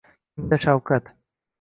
Kimda shafqat